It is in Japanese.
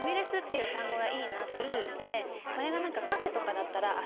すごくこれがカフェとかだったらあっ